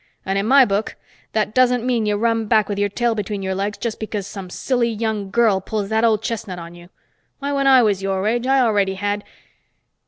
And in my book, that doesn't mean you run back with your tail between your legs just because some silly young girl pulls that old chestnut on you. Why, when I was your age, I already had...."